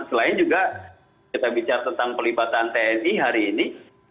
selain juga kita bicara tentang pelibatan tni hari ini